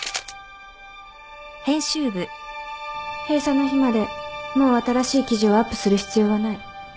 閉鎖の日までもう新しい記事をアップする必要はない。